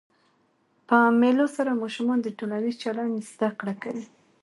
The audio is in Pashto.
په مېلو سره ماشومان د ټولنیز چلند زده کړه کوي.